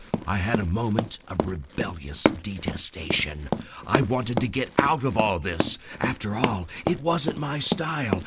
I had a moment of rebellious detestation. I wanted to get out of all this. After all, it wasn't my style.